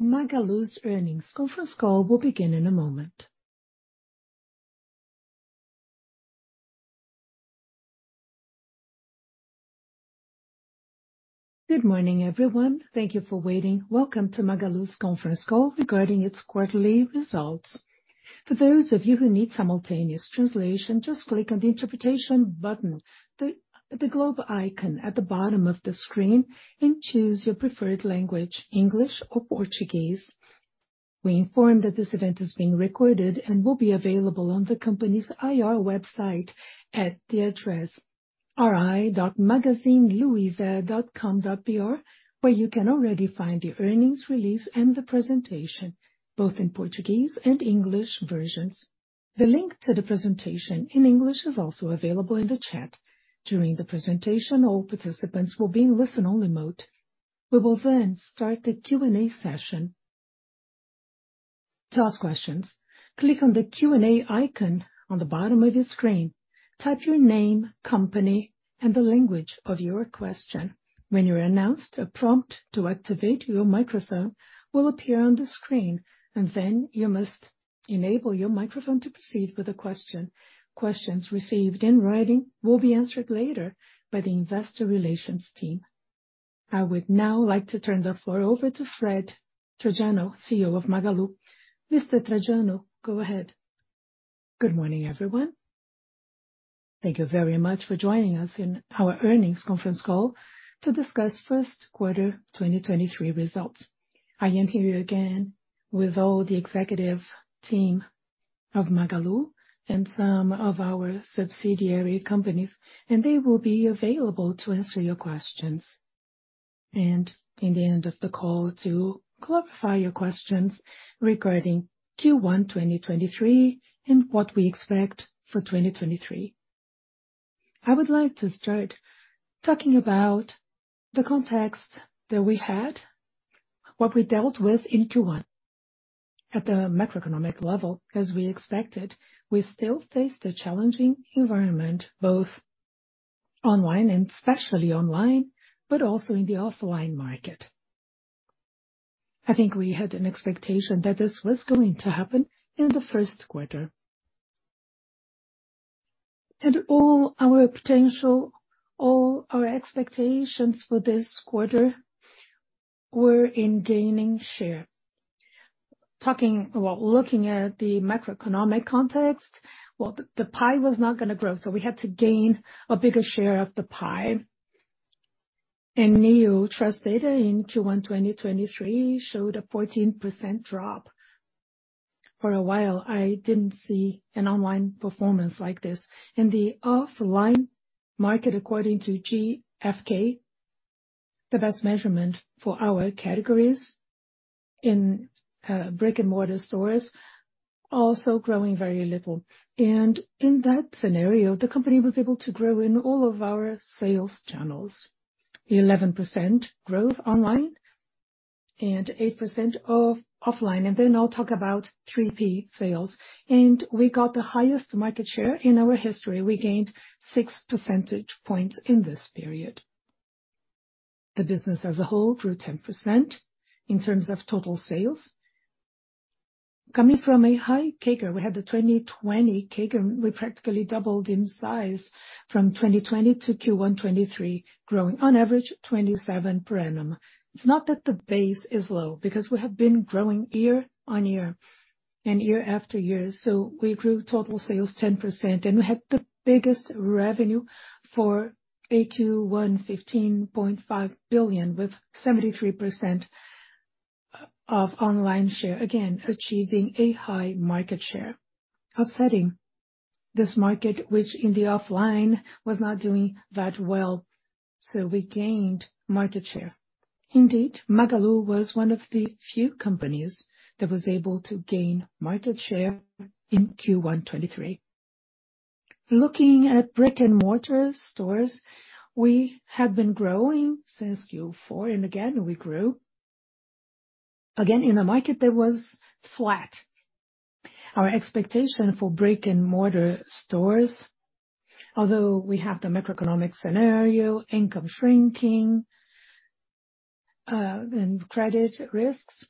Magalu's earnings conference call will begin in a moment. Good morning, everyone. Thank you for waiting. Welcome to Magalu's conference call regarding its quarterly results. For those of you who need simultaneous translation, just click on the interpretation button, the globe icon at the bottom of the screen, and choose your preferred language, English or Portuguese. We inform that this event is being recorded and will be available on the company's IR website at the address ri.magazineluiza.com.br, where you can already find the earnings release and the presentation, both in Portuguese and English versions. The link to the presentation in English is also available in the chat. During the presentation, all participants will be in listen-only mode. We will start the Q&A session. To ask questions, click on the Q&A icon on the bottom of your screen. Type your name, company, and the language of your question. When you are announced, a prompt to activate your microphone will appear on the screen, and then you must enable your microphone to proceed with the question. Questions received in writing will be answered later by the investor relations team. I would now like to turn the floor over to Fred Trajano, CEO of Magalu. Mr. Trajano, go ahead. Good morning, everyone. Thank you very much for joining us in our earnings conference call to discuss first quarter 2023 results. I am here again with all the executive team of Magalu and some of our subsidiary companies, and they will be available to answer your questions and in the end of the call to clarify your questions regarding Q1 2023 and what we expect for 2023. I would like to start talking about the context that we had, what we dealt with in Q1. At the macroeconomic level, as we expected, we still face the challenging environment, both online and especially online, but also in the offline market. I think we had an expectation that this was going to happen in the first quarter. All our potential, all our expectations for this quarter were in gaining share. Well, looking at the macroeconomic context, well, the pie was not gonna grow, so we had to gain a bigger share of the pie. Neotrust data in Q1 2023 showed a 14% drop. For a while, I didn't see an online performance like this. In the offline market, according to GfK, the best measurement for our categories in brick-and-mortar stores also growing very little. In that scenario, the company was able to grow in all of our sales channels. 11% growth online and 8% of offline. I'll talk about 3P sales. We got the highest market share in our history. We gained 6 percentage points in this period. The business as a whole grew 10% in terms of total sales. Coming from a high CAGR. We had the 2020 CAGR. We practically doubled in size from 2020 to Q1 2023, growing on average 27 per annum. It's not that the base is low because we have been growing year-on-year and year after year. We grew total sales 10% and we had the biggest revenue for a Q1, BRL 15.5 billion, with 73% of online share, again, achieving a high market share. Upsetting this market which in the offline was not doing that well. We gained market share. Indeed, Magalu was one of the few companies that was able to gain market share in Q1 23. Looking at brick-and-mortar stores, we have been growing since Q4, and again, we grew. In a market that was flat. Our expectation for brick-and-mortar stores, although we have the macroeconomic scenario, income shrinking, and credit risks,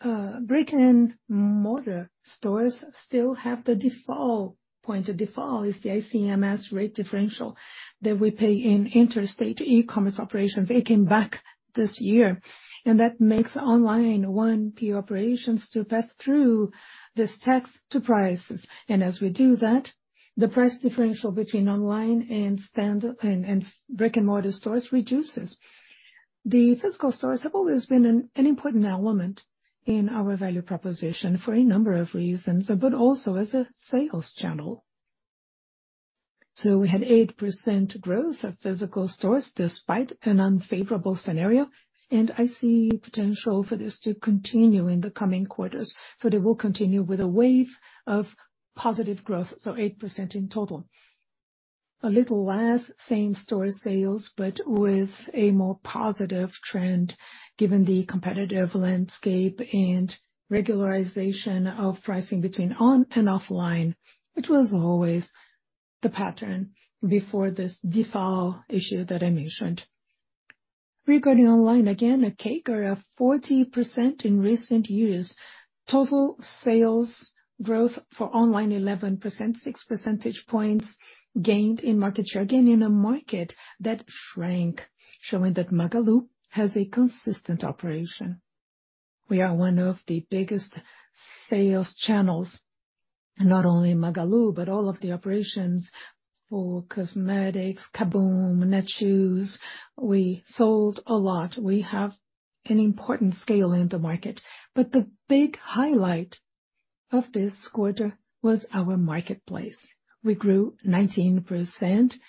brick-and-mortar stores still have the default. Point of default is the ICMS rate differential that we pay in interstate e-commerce operations. It came back this year, and that makes online one key operations to pass through this tax to prices. As we do that, the price differential between online and brick-and-mortar stores reduces. The physical stores have always been an important element in our value proposition for a number of reasons, but also as a sales channel. We had 8% growth of physical stores despite an unfavorable scenario, and I see potential for this to continue in the coming quarters. They will continue with a wave of positive growth. 8% in total. A little less same-store sales, but with a more positive trend given the competitive landscape and regularization of pricing between on and offline. It was always the pattern before this default issue that I mentioned. Regarding online, again, a CAGR of 40% in recent years. Total sales growth for online 11%, 6 percentage points gained in market share. Again, in a market that shrank, showing that Magalu has a consistent operation. We are one of the biggest sales channels, and not only Magalu, but all of the operations for cosmetics, KaBuM!, Netshoes, we sold a lot. We have an important scale in the market. The big highlight of this quarter was our marketplace. We grew 19%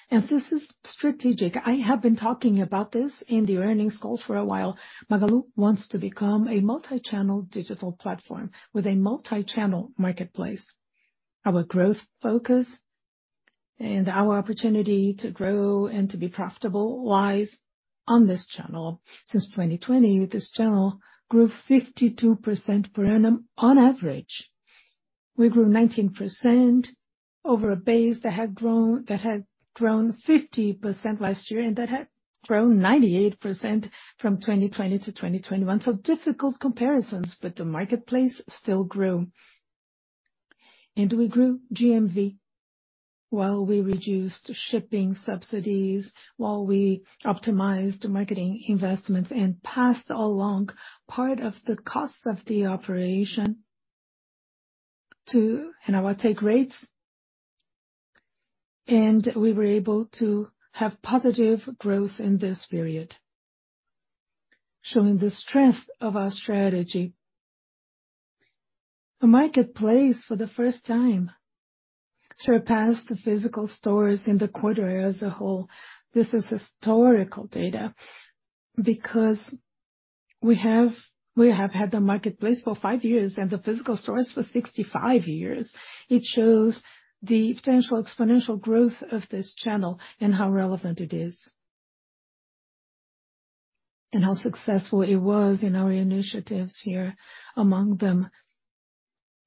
and this is strategic. I have been talking about this in the earnings calls for a while. Magalu wants to become a multi-channel digital platform with a multi-channel marketplace. Our growth focus and our opportunity to grow and to be profitable lies on this channel. Since 2020, this channel grew 52% per annum on average. We grew 19% over a base that had grown 50% last year and that had grown 98% from 2020-2021. Difficult comparisons, but the marketplace still grew. We grew GMV while we reduced shipping subsidies, while we optimized marketing investments and passed along part of the cost of the operation in our take rates, and we were able to have positive growth in this period, showing the strength of our strategy. The marketplace for the first time surpassed the physical stores in the quarter as a whole. This is historical data because we have had the marketplace for five years and the physical stores for 65 years. It shows the potential exponential growth of this channel and how relevant it is. How successful it was in our initiatives here. Among them,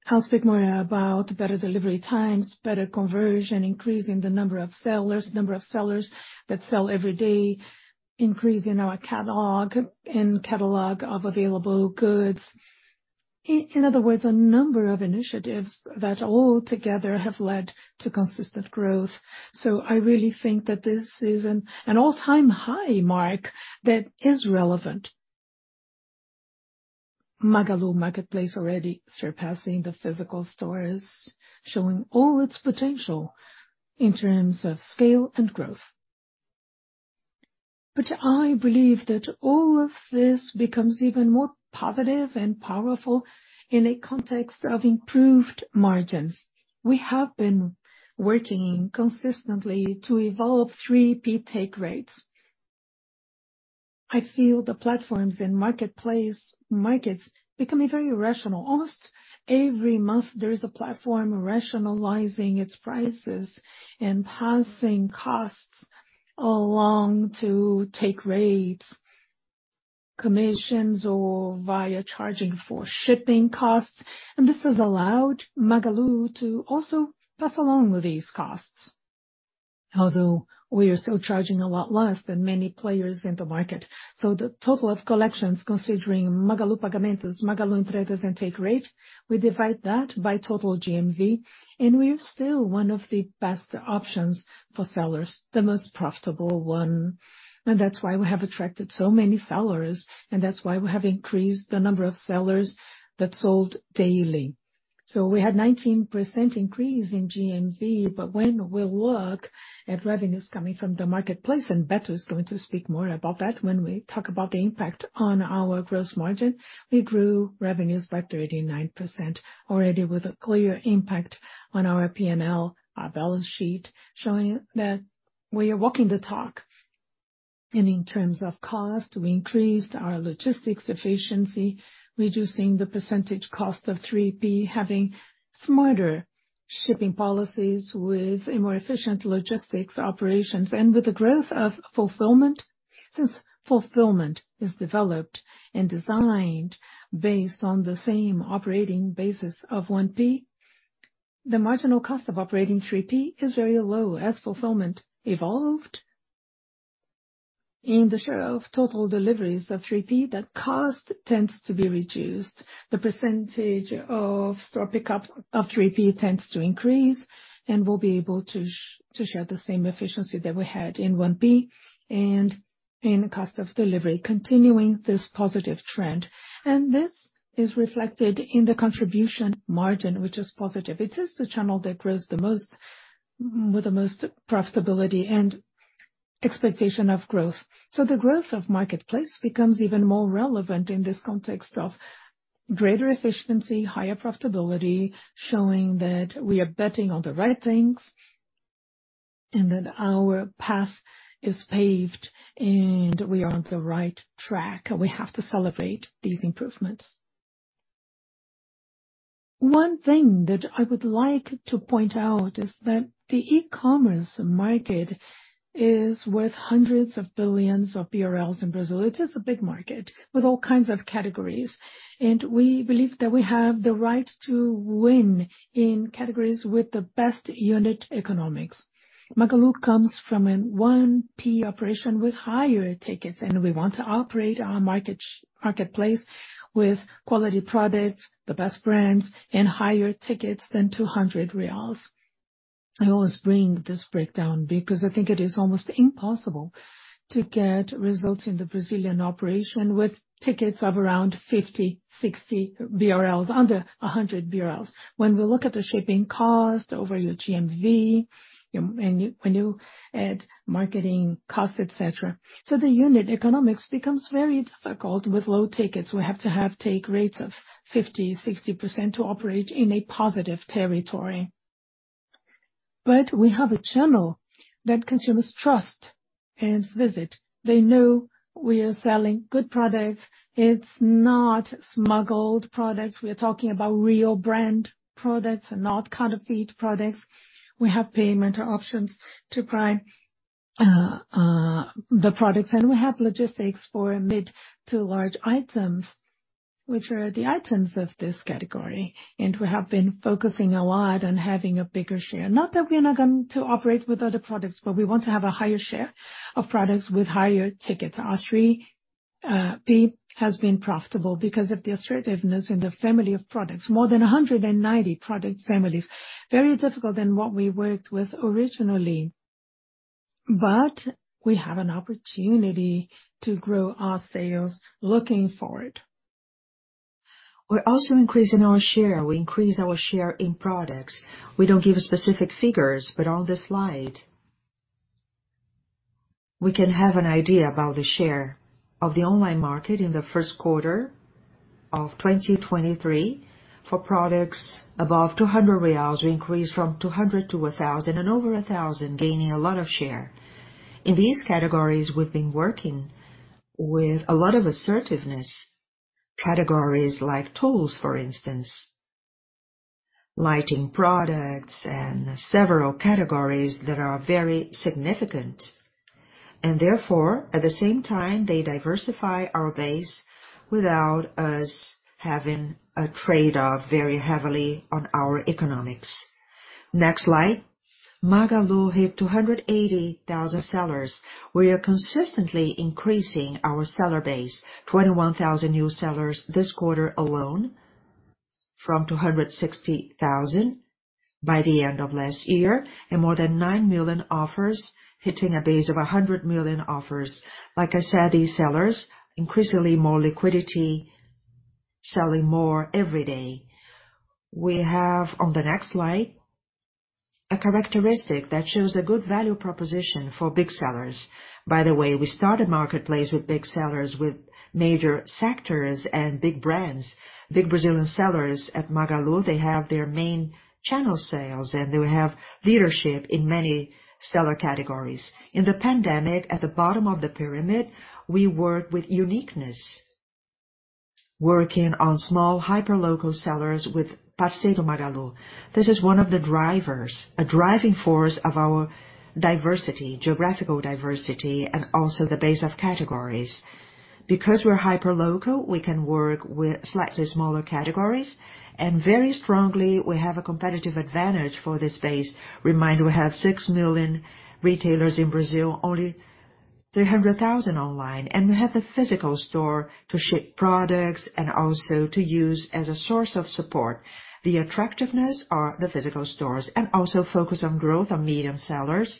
I'll speak more about better delivery times, better conversion, increasing the number of sellers, number of sellers that sell every day, increase in our catalog and catalog of available goods. In other words, a number of initiatives that all together have led to consistent growth. I really think that this is an all-time high mark that is relevant. Magalu marketplace already surpassing the physical stores, showing all its potential in terms of scale and growth. I believe that all of this becomes even more positive and powerful in a context of improved margins. We have been working consistently to evolve 3P take rates. I feel the platforms and marketplace markets becoming very rational. Almost every month, there is a platform rationalizing its prices and passing costs along to take rates, commissions, or via charging for shipping costs. This has allowed Magalu to also pass along these costs, although we are still charging a lot less than many players in the market. The total of collections considering Magalu Pagamentos, Magalu Entregas and take rate, we divide that by total GMV, and we're still one of the best options for sellers, the most profitable one. That's why we have attracted so many sellers, and that's why we have increased the number of sellers that sold daily. We had 19% increase in GMV. When we look at revenues coming from the marketplace, and Beto is going to speak more about that when we talk about the impact on our gross margin, we grew revenues by 39% already with a clear impact on our P&L, our balance sheet, showing that we are walking the talk. In terms of cost, we increased our logistics efficiency, reducing the percentage cost of 3P, having smarter shipping policies with a more efficient logistics operations. With the growth of fulfillment, since fulfillment is developed and designed based on the same operating basis of 1P, the marginal cost of operating 3P is very low. As fulfillment evolved in the share of total deliveries of 3P, that cost tends to be reduced. The % of store pickup of 3P tends to increase, and we'll be able to share the same efficiency that we had in 1P and in cost of delivery, continuing this positive trend. This is reflected in the contribution margin, which is positive. It is the channel that grows the most, with the most profitability and expectation of growth. The growth of marketplace becomes even more relevant in this context of greater efficiency, higher profitability, showing that we are betting on the right things and that our path is paved and we are on the right track. We have to celebrate these improvements. One thing that I would like to point out is that the e-commerce market Is worth hundreds of billions of BRL in Brazil. It is a big market with all kinds of categories, and we believe that we have the right to win in categories with the best unit economics. Magalu comes from a 1P operation with higher tickets, and we want to operate our marketplace with quality products, the best brands and higher tickets than 200 reais. I always bring this breakdown because I think it is almost impossible to get results in the Brazilian operation with tickets of around 50, 60 BRL, under 100 BRL. When we look at the shipping cost over your GMV, and when you add marketing costs, et cetera. The unit economics becomes very difficult with low tickets. We have to have take rates of 50%, 60% to operate in a positive territory. We have a channel that consumers trust and visit. They know we are selling good products. It's not smuggled products. We are talking about real brand products and not counterfeit products. We have payment options to buy the products, and we have logistics for mid to large items, which are the items of this category. We have been focusing a lot on having a bigger share. Not that we are not going to operate with other products, but we want to have a higher share of products with higher tickets. Our 3P has been profitable because of the assertiveness in the family of products. More than 190 product families. Very difficult than what we worked with originally. We have an opportunity to grow our sales looking forward. We're also increasing our share. We increase our share in products. We don't give specific figures, but on this slide, we can have an idea about the share of the online market in the first quarter of 2023. For products above 200 reais, we increased from 200-1,000 and over 1,000, gaining a lot of share. In these categories, we've been working with a lot of assertiveness. Categories like tools, for instance, lighting products and several categories that are very significant. Therefore, at the same time, they diversify our base without us having a trade-off very heavily on our economics. Next slide. Magalu hit 280,000 sellers. We are consistently increasing our seller base. 21,000 new sellers this quarter alone from 260,000 by the end of last year. More than 9 million offers hitting a base of 100 million offers. Like I said, these sellers, increasingly more liquidity, selling more every day. We have on the next slide a characteristic that shows a good value proposition for big sellers. By the way, we start a marketplace with big sellers, with major sectors and big brands. Big Brazilian sellers at Magalu, they have their main channel sales, and they have leadership in many seller categories. In the pandemic, at the bottom of the pyramid, we work with uniqueness, working on small, hyperlocal sellers with Parceiro Magalu. This is one of the drivers, a driving force of our diversity, geographical diversity and also the base of categories. Because we're hyperlocal, we can work with slightly smaller categories and very strongly we have a competitive advantage for this base. Remind we have 6 million retailers in Brazil, only 300,000 online. We have the physical store to ship products and also to use as a source of support. The attractiveness are the physical stores and also focus on growth of medium sellers.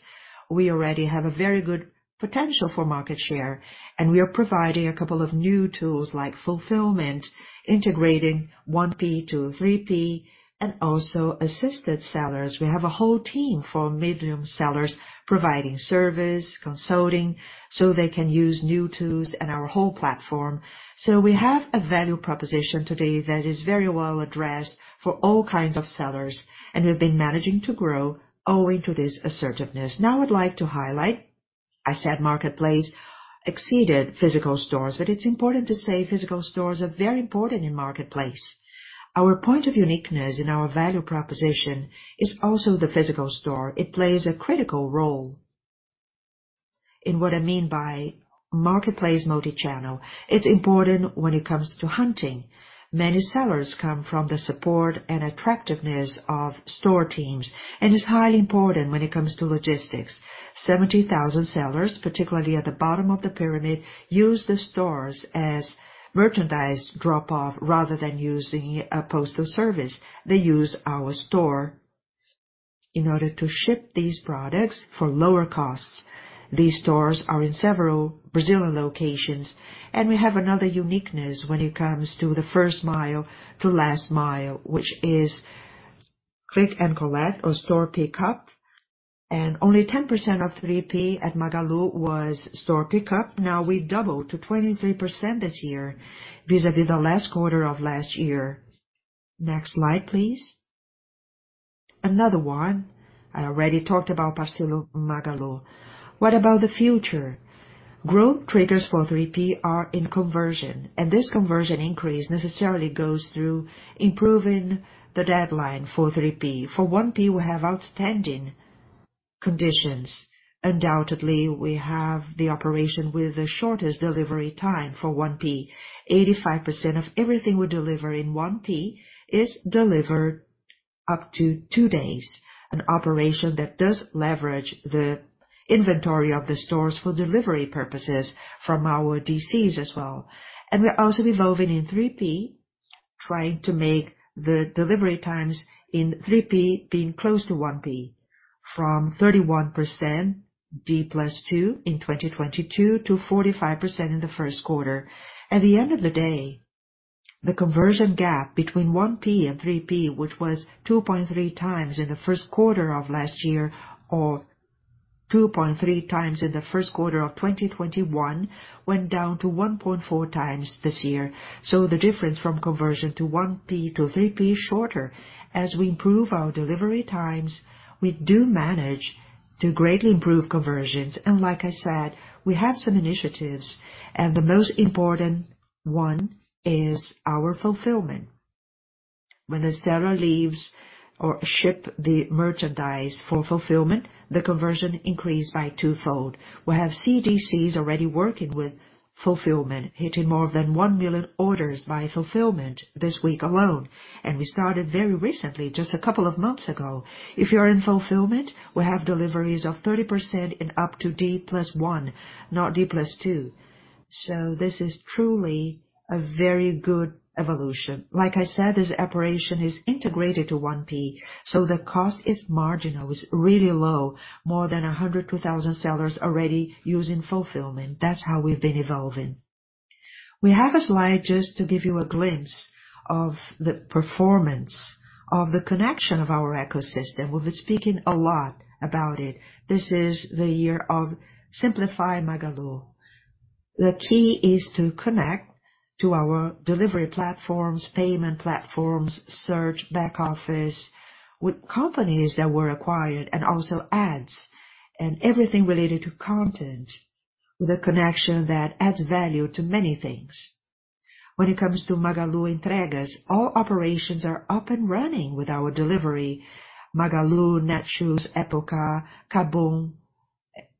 We already have a very good potential for market share and we are providing a couple of new tools like fulfillment, integrating 1P to 3P and also assisted sellers. We have a whole team for medium sellers providing service, consulting, so they can use new tools and our whole platform. We have a value proposition today that is very well addressed for all kinds of sellers and we've been managing to grow owing to this assertiveness. I'd like to highlight, I said marketplace exceeded physical stores, it's important to say physical stores are very important in marketplace. Our point of uniqueness and our value proposition is also the physical store. It plays a critical role in what I mean by marketplace multi-channel. It's important when it comes to hunting. Many sellers come from the support and attractiveness of store teams. It's highly important when it comes to logistics. 70,000 sellers, particularly at the bottom of the pyramid, use the stores as merchandise drop-off rather than using a postal service. They use our store in order to ship these products for lower costs. These stores are in several Brazilian locations. We have another uniqueness when it comes to the first mile to last mile which is click and collect or store pickup. Only 10% of 3P at Magalu was store pickup. Now we doubled to 23% this year vis-à-vis the last quarter of last year. Next slide, please. Another one. I already talked about Parceiro Magalu. What about the future? Growth triggers for 3P are in conversion. This conversion increase necessarily goes through improving the deadline for 3P. For 1P, we have outstanding conditions. Undoubtedly, we have the operation with the shortest delivery time for 1P. 85% of everything we deliver in 1P is delivered up to two days, an operation that does leverage the inventory of the stores for delivery purposes from our DCs as well. We're also evolving in 3P, trying to make the delivery times in 3P being close to 1P from 31% D+2 in 2022 to 45% in the first quarter. At the end of the day, the conversion gap between 1P and 3P, which was 2.3x in the first quarter of last year or 2.3x in the first quarter of 2021, went down to 1.4x this year. The difference from conversion to 1P to 3P is shorter. As we improve our delivery times, we do manage to greatly improve conversions. Like I said, we have some initiatives, and the most important one is our fulfillment. When the seller leaves or ship the merchandise for fulfillment, the conversion increased by twofold. We have CDCs already working with fulfillment, hitting more than 1 million orders by fulfillment this week alone, and we started very recently, just a couple of months ago. If you're in fulfillment, we have deliveries of 30% in up to D+1, not D+2. This is truly a very good evolution. Like I said, this operation is integrated to 1P, so the cost is marginal. It's really low. More than 102,000 sellers already using fulfillment. That's how we've been evolving. We have a slide just to give you a glimpse of the performance of the connection of our ecosystem. We've been speaking a lot about it. This is the year of Simplifica Magalu. The key is to connect to our delivery platforms, payment platforms, search, back-office with companies that were acquired and also ads and everything related to content with a connection that adds value to many things. When it comes to Magalu Entregas, all operations are up and running with our delivery. Magalu, Netshoes, Época, KaBuM!,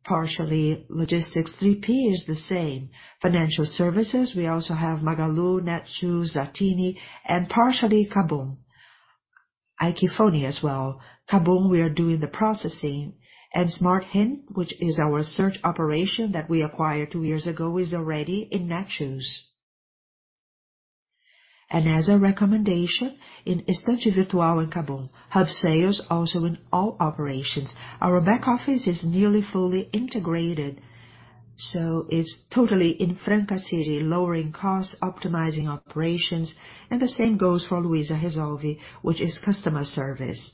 partially Logistics. 3P is the same. Financial services, we also have Magalu, Netshoes, Zattini, and partially KaBuM. aiqfome as well. KaBuM, we are doing the processing. SmartHint, which is our search operation that we acquired two years ago, is already in Netshoes. As a recommendation in Estante Virtual and KaBuM. Hubsales also in all operations. Our back office is nearly fully integrated, so it's totally in Franca, lowering costs, optimizing operations, and the same goes for Luiza Resolve, which is customer service.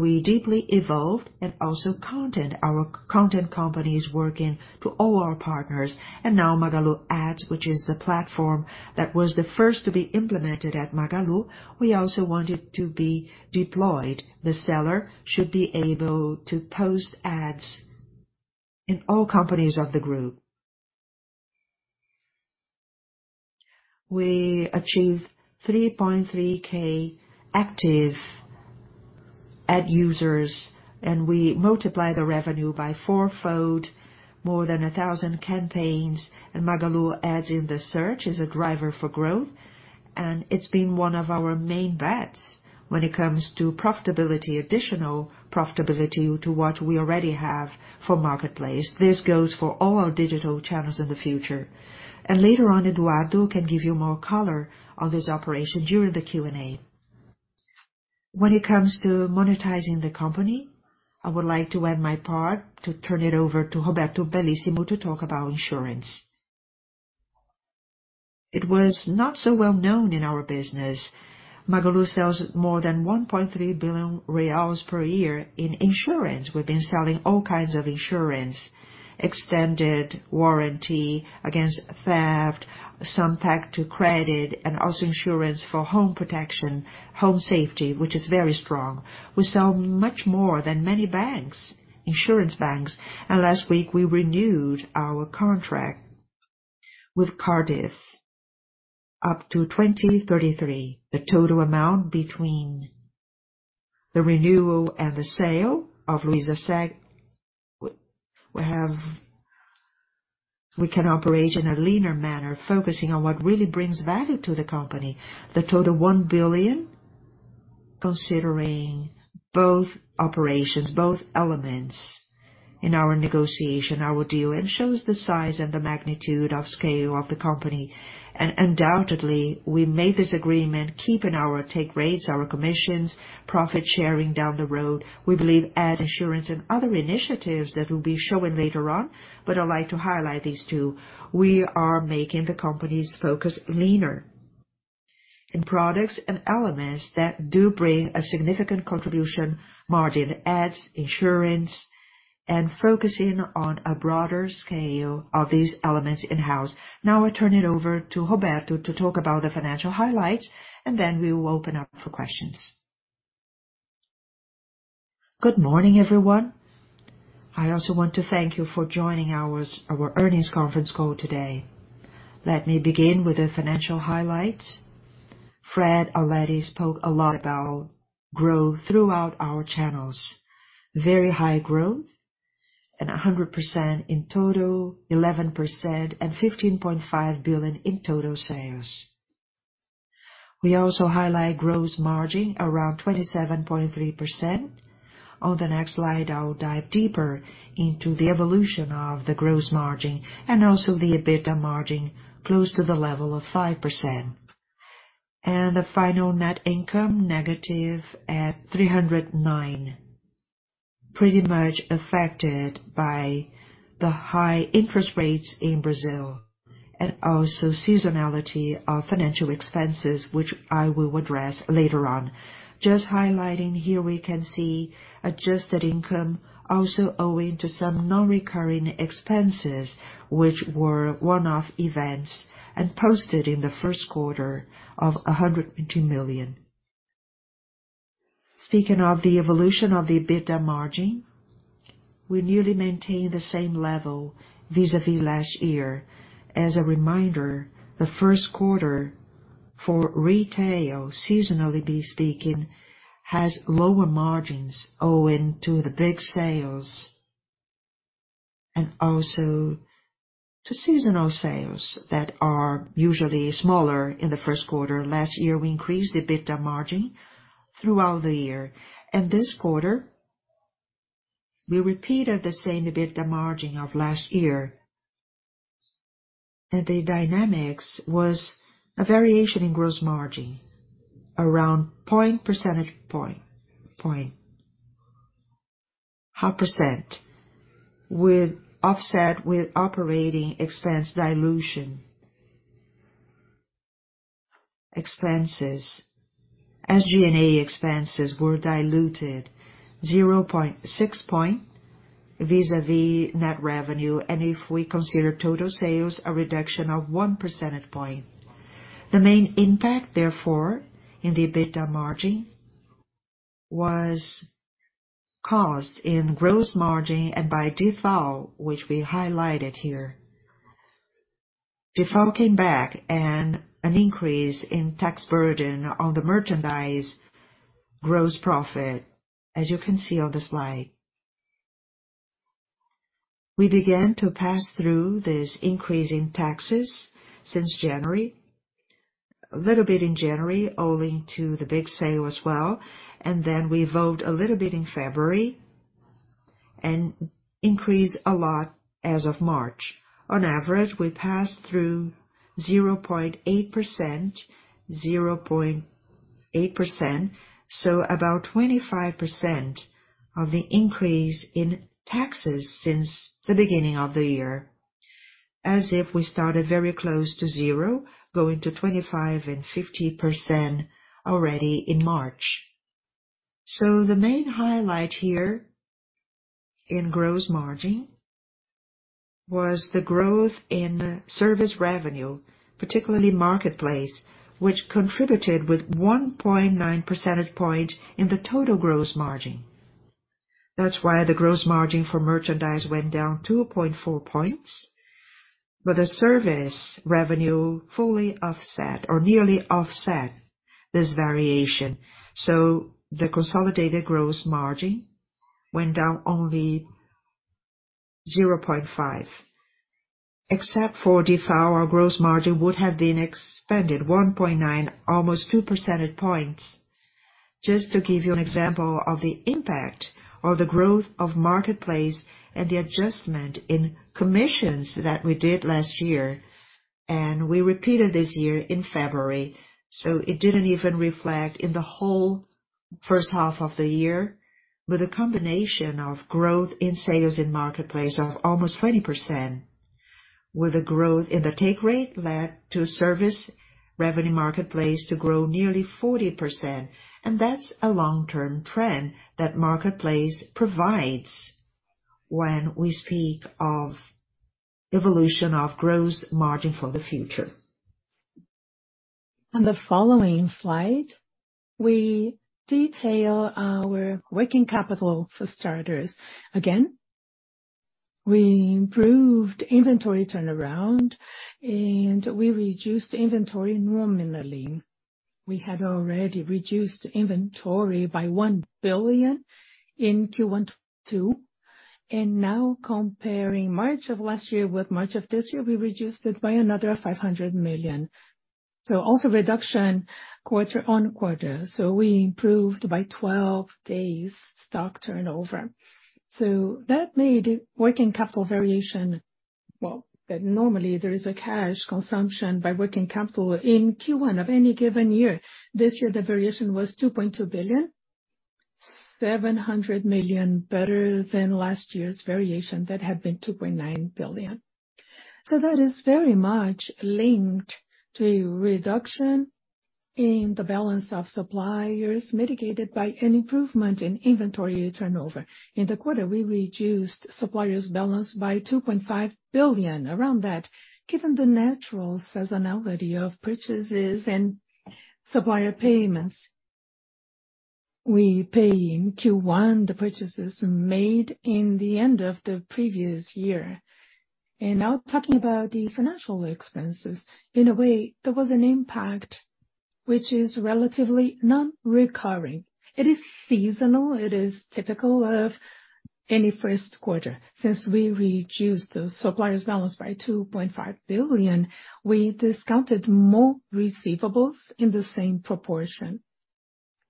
We deeply evolved and also content, our content companies working to all our partners. Now Magalu Ads, which is the platform that was the first to be implemented at Magalu. We also want it to be deployed. The seller should be able to post ads in all companies of the group. We achieved 3.3K active ad users, we multiply the revenue by 4-fold, more than 1,000 campaigns. Magalu Ads in the search is a driver for growth, it's been one of our main bets when it comes to profitability, additional profitability to what we already have for Marketplace. This goes for all our digital channels in the future. Later on, Eduardo can give you more color on this operation during the Q&A. When it comes to monetizing the company, I would like to end my part to turn it over to Roberto Bellissimo to talk about insurance. It was not so well-known in our business. Magalu sells more than 1.3 billion reais per year in insurance. We've been selling all kinds of insurance: extended warranty against theft, some tied to credit, and also insurance for home protection, home safety, which is very strong. We sell much more than many banks, insurance banks. Last week, we renewed our contract with Cardif up to 2033. The total amount between the renewal and the sale of Luizaseg, we can operate in a leaner manner, focusing on what really brings value to the company. The total 1 billion, considering both operations, both elements in our negotiation, our deal, and shows the size and the magnitude of scale of the company. Undoubtedly, we made this agreement keeping our take rates, our commissions, profit sharing down the road. We believe ad insurance and other initiatives that we'll be showing later on, but I'd like to highlight these two. We are making the company's focus leaner in products and elements that do bring a significant contribution margin: ads, insurance, and focusing on a broader scale of these elements in-house. I turn it over to Roberto to talk about the financial highlights. We will open up for questions. Good morning, everyone. I also want to thank you for joining our earnings conference call today. Let me begin with the financial highlights. Fred already spoke a lot about growth throughout our channels. Very high growth and 100% in total, 11% and 15.5 billion in total sales. We also highlight gross margin around 27.3%. On the next slide, I'll dive deeper into the evolution of the gross margin and also the EBITDA margin close to the level of 5%. The final net income negative at 309 million, pretty much affected by the high interest rates in Brazil and also seasonality of financial expenses, which I will address later on. Just highlighting here, we can see adjusted income also owing to some non-recurring expenses, which were one-off events and posted in the first quarter of 120 million. Speaking of the evolution of the EBITDA margin, we nearly maintain the same level vis-à-vis last year. As a reminder, the first quarter for retail, seasonally speaking, has lower margins owing to the big sales and also to seasonal sales that are usually smaller in the first quarter. Last year, we increased the EBITDA margin throughout the year. This quarter, we repeated the same EBITDA margin of last year. The dynamics was a variation in gross margin around point percentage point. Half percent offset with operating expense dilution. Expenses, SG&A expenses were diluted 0.6 percentage point vis-à-vis net revenue. If we consider total sales, a reduction of 1 percentage point. The main impact, therefore, in the EBITDA margin was cost in gross margin and by default, which we highlighted here. Default came back and an increase in tax burden on the merchandise gross profit, as you can see on the slide. We began to pass through this increase in taxes since January. A little bit in January, owing to the big sale as well. We evolved a little bit in February and increased a lot as of March. On average, we passed through 0.8%, so about 25% of the increase in taxes since the beginning of the year. As if we started very close to zero, going to 25% and 50% already in March. The main highlight here in gross margin was the growth in service revenue, particularly Marketplace, which contributed with 1.9 percentage point in the total gross margin. That's why the gross margin for merchandise went down 2.4 points, but the service revenue fully offset or nearly offset this variation. The consolidated gross margin went down only 0.5. Except for default, our gross margin would have been expanded 1.9, almost 2 percentage points. Just to give you an example of the impact or the growth of Marketplace and the adjustment in commissions that we did last year, and we repeated this year in February. It didn't even reflect in the whole H1 of the year. A combination of growth in sales in Marketplace of almost 20% with a growth in the take rate led to service revenue Marketplace to grow nearly 40%. That's a long-term trend that Marketplace provides when we speak of evolution of gross margin for the future. On the following slide, we detail our working capital for starters. Again, we improved inventory turnaround and we reduced inventory nominally. We had already reduced inventory by 1 billion in Q1 2022. Now comparing March of last year with March of this year, we reduced it by another 500 million. Also reduction quarter-on-quarter. We improved by 12 days stock turnover. That made working capital variation. Well, normally, there is a cash consumption by working capital in Q1 of any given year. This year, the variation was 2.2 billion, 700 million better than last year's variation that had been 2.9 billion. That is very much linked to reduction in the balance of suppliers, mitigated by an improvement in inventory turnover. In the quarter, we reduced suppliers' balance by 2.5 billion, around that, given the natural seasonality of purchases and supplier payments. We pay in Q1 the purchases made in the end of the previous year. Now talking about the financial expenses. In a way, there was an impact which is relatively non-recurring. It is seasonal, it is typical of any first quarter. Since we reduced the suppliers balance by 2.5 billion, we discounted more receivables in the same proportion.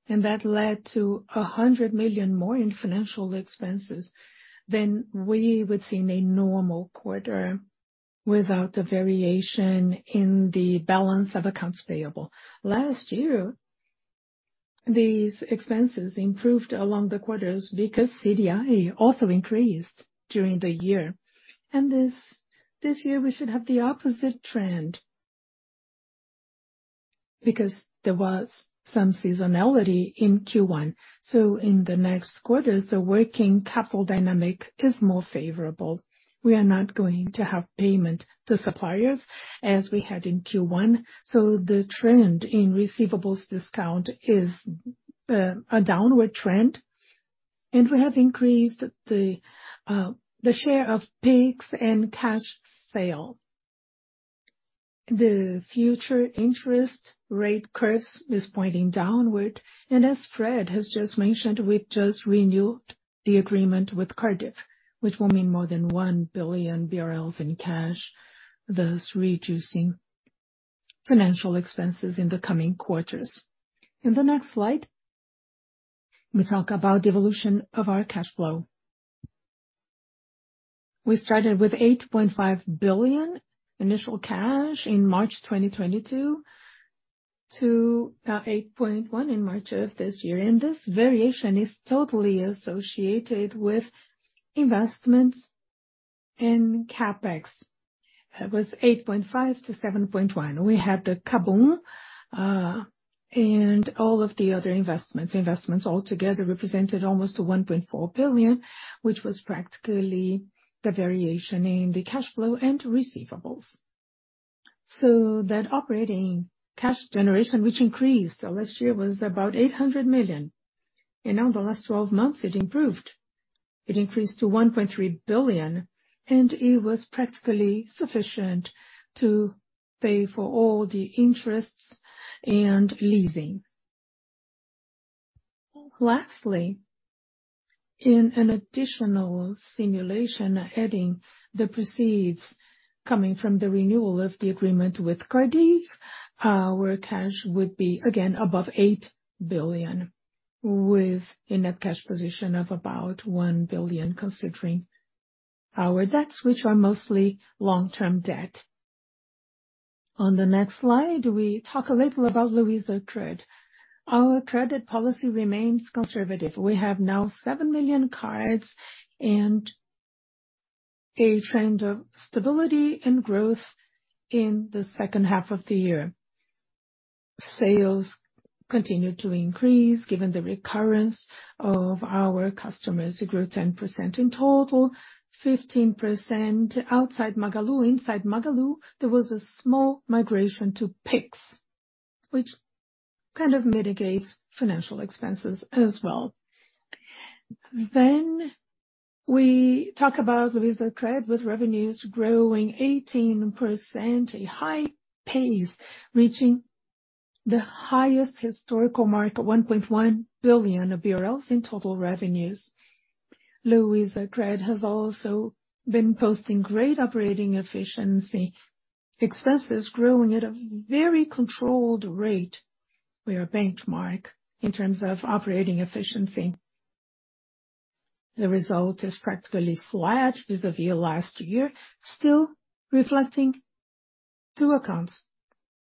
That led to 100 million more in financial expenses than we would see in a normal quarter without the variation in the balance of accounts payable. Last year, these expenses improved along the quarters because CDI also increased during the year. This year we should have the opposite trend because there was some seasonality in Q1. In the next quarters, the working capital dynamic is more favorable. We are not going to have payment to suppliers as we had in Q1. The trend in receivables discount is a downward trend, we have increased the share of Pix and cash sale. The future interest rate curves is pointing downward. As Fred has just mentioned, we've just renewed the agreement with Cardif, which will mean more than 1 billion BRL in cash, thus reducing financial expenses in the coming quarters. In the next slide, we talk about the evolution of our cash flow. We started with 8.5 billion initial cash in March 2022 to 8.1 billion in March of this year. This variation is totally associated with investments in CapEx. It was 8.5 billion to 7.1 billion. We had the KaBuM!, all of the other investments. Investments altogether represented almost 1.4 billion, which was practically the variation in the cash flow and receivables. That operating cash generation, which increased. Last year was about 800 million. Now the last 12 months it improved. It increased to 1.3 billion, and it was practically sufficient to pay for all the interests and leasing. Lastly, in an additional simulation, adding the proceeds coming from the renewal of the agreement with Cardiff, our cash would be again above 8 billion, with a net cash position of about 1 billion, considering our debts, which are mostly long-term debt. On the next slide, we talk a little about Luizacred. Our credit policy remains conservative. We have now 7 million cards and a trend of stability and growth in the H2 of the year. Sales continued to increase, given the recurrence of our customers. It grew 10% in total, 15% outside Magalu. Inside Magalu, there was a small migration to Pix, which kind of mitigates financial expenses as well. We talk about Luizacred, with revenues growing 18%, a high pace, reaching the highest historical mark of BRL 1.1 billion in total revenues. Luizacred has also been posting great operating efficiency, expenses growing at a very controlled rate. We are benchmark in terms of operating efficiency. The result is practically flat vis-à-vis last year, still reflecting two accounts: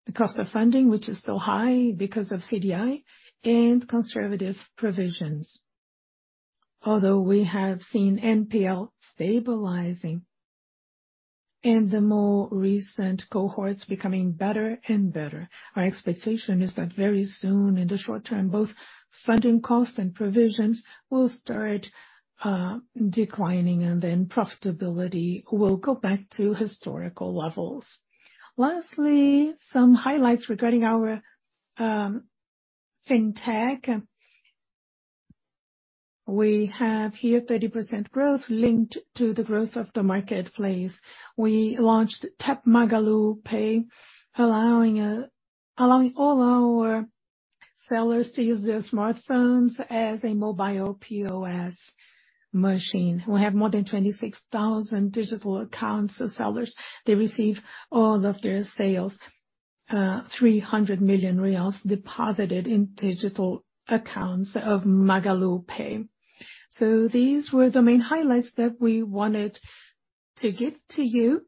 the cost of funding, which is still high because of CDI and conservative provisions. Although we have seen NPL stabilizing and the more recent cohorts becoming better and better, our expectation is that very soon, in the short term, both funding costs and provisions will start declining and then profitability will go back to historical levels. Lastly, some highlights regarding our fintech. We have here 30% growth linked to the growth of the marketplace. We launched Tap MagaluPay, allowing all our sellers to use their smartphones as a mobile POS machine. We have more than 26,000 digital accounts of sellers. They receive all of their sales, 300 million reais deposited in digital accounts of MagaluPay. These were the main highlights that we wanted to give to you.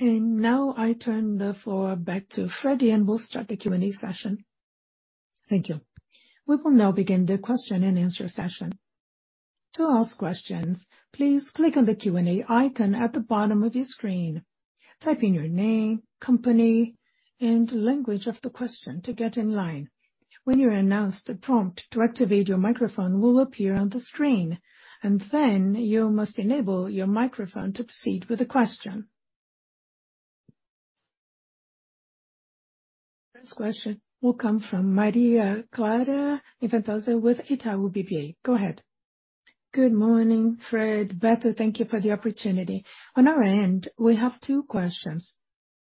Now I turn the floor back to Freddy, and we'll start the Q&A session. Thank you. We will now begin the question-and-answer session. To ask questions, please click on the Q&A icon at the bottom of your screen. Type in your name, company, and language of the question to get in line. When you're announced, a prompt to activate your microphone will appear on the screen, and then you must enable your microphone to proceed with the question. First question will come from Maria Clara Infantozzi with Itaú BBA. Go ahead. Good morning, Fred, Beto. Thank you for the opportunity. On our end, we have two questions.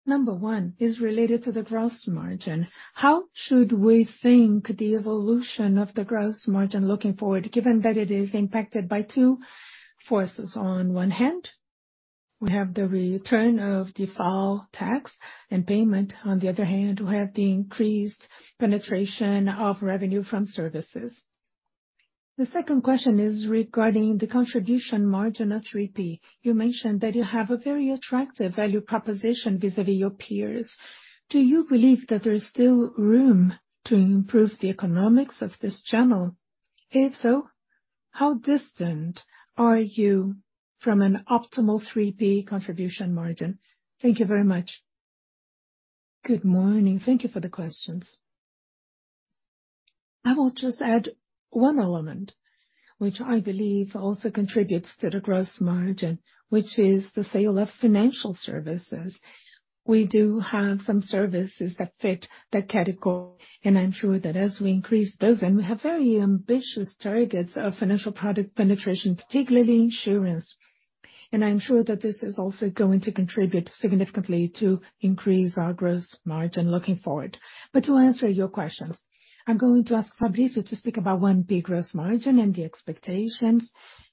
Number one is related to the gross margin. How should we think the evolution of the gross margin looking forward, given that it is impacted by two forces. On one hand, we have the return of default tax and payment. On the other hand, we have the increased penetration of revenue from services. The second question is regarding the contribution margin of 3P. You mentioned that you have a very attractive value proposition vis-a-vis your peers. Do you believe that there is still room to improve the economics of this channel? If so, how distant are you from an optimal 3P contribution margin? Thank you very much. Good morning. Thank you for the questions. I will just add one element, which I believe also contributes to the gross margin, which is the sale of financial services. We do have some services that fit that category, I'm sure that as we increase those, and we have very ambitious targets of financial product penetration, particularly insurance. I'm sure that this is also going to contribute significantly to increase our gross margin looking forward. To answer your questions, I'm going to ask Fabrício to speak about 1P gross margin and the expectations,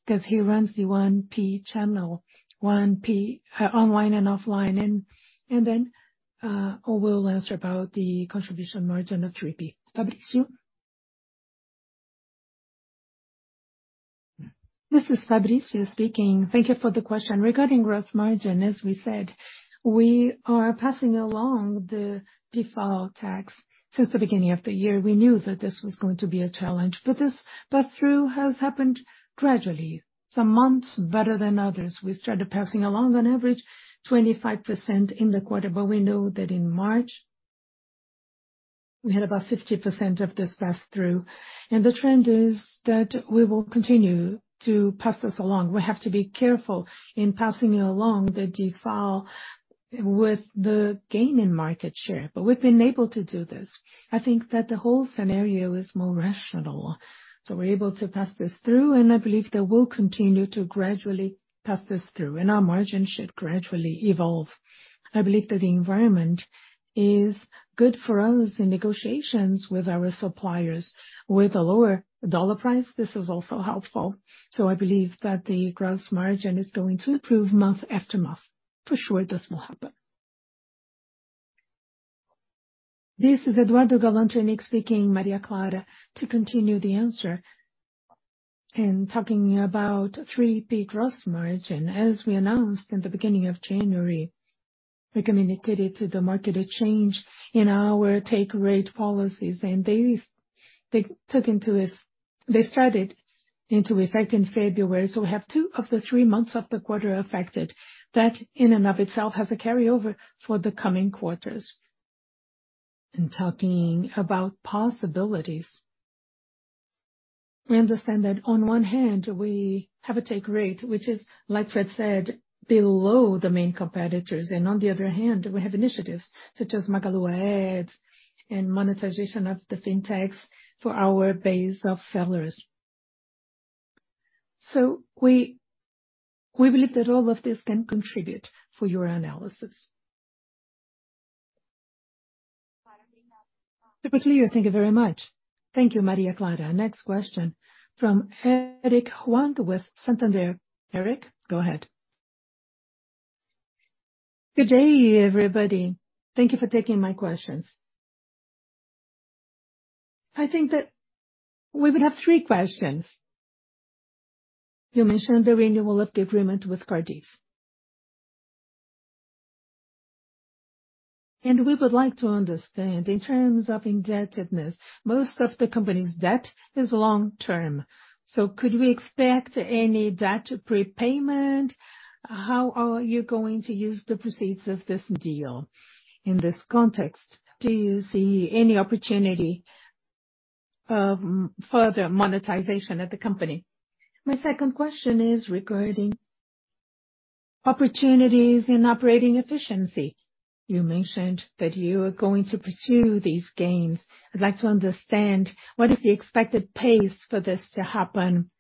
'cause he runs the 1P channel, 1P online and offline. Then I will answer about the contribution margin of 3P. Fabrício. This is Fabrício speaking. Thank you for the question. Regarding gross margin, as we said, we are passing along the DIFAL tax since the beginning of the year. We knew that this was going to be a challenge, this pass-through has happened gradually. Some months better than others. We started passing along on average 25% in the quarter, but we know that in March we had about 50% of this pass-through. The trend is that we will continue to pass this along. We have to be careful in passing along the DIFAL with the gain in market share, but we've been able to do this. I think that the whole scenario is more rational, so we're able to pass this through, and I believe that we'll continue to gradually pass this through, and our margin should gradually evolve. I believe that the environment is good for us in negotiations with our suppliers. With a lower dollar price, this is also helpful. I believe that the gross margin is going to improve month after month. For sure, this will happen. This is Eduardo Galanternick speaking, Maria Clara, to continue the answer. In talking about 3P gross margin, as we announced in the beginning of January, we communicated to the market a change in our take rate policies, and they started into effect in February. We have two of the three months of the quarter affected. That, in and of itself, has a carryover for the coming quarters. In talking about possibilities, we understand that on one hand we have a take rate, which is, like Fred said, below the main competitors. On the other hand, we have initiatives such as Magalu Ads and monetization of the FinTechs for our base of sellers. We believe that all of this can contribute for your analysis. Thank you very much. Thank you, Maria Clara. Next question from Eric Huang with Santander. Eric, go ahead. Good day, everybody. Thank you for taking my questions. I think that we would have three questions. You mentioned the renewal of the agreement with Cardiff. We would like to understand, in terms of indebtedness, most of the company's debt is long-term, could we expect any debt prepayment? How are you going to use the proceeds of this deal? In this context, do you see any opportunity of further monetization at the company? My second question is regarding opportunities in operating efficiency. You mentioned that you are going to pursue these gains. I'd like to understand what is the expected pace for this to happen,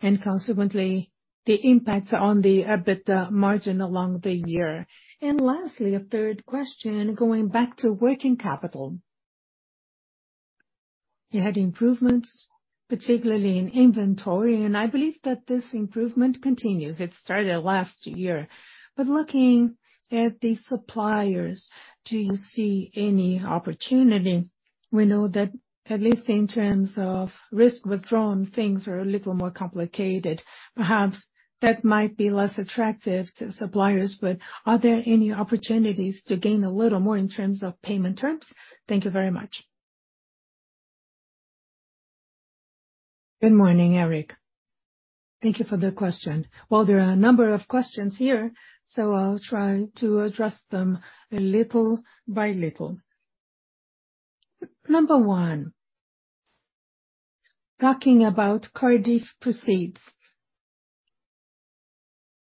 and consequently, the impact on the EBITDA margin along the year. Lastly, a third question, going back to working capital. You had improvements, particularly in inventory, and I believe that this improvement continues. It started last year. Looking at the suppliers, do you see any opportunity? We know that at least in terms of Risco Sacado, things are a little more complicated. Perhaps that might be less attractive to suppliers, but are there any opportunities to gain a little more in terms of payment terms? Thank you very much. Good morning, Eric. Thank you for the question. Well, there are a number of questions here, so I'll try to address them little by little. Number one, talking about Cardif proceeds.